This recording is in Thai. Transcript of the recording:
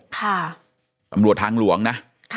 ตำรวจทางหลวงนะ